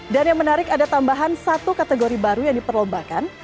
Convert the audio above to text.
dan yang menarik ada tambahan satu kategori baru yang diperlembakan